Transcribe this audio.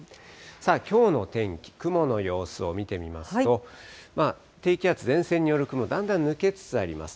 きょうの天気、雲の様子を見てみますと、低気圧、前線による雲、だんだん抜けつつあります。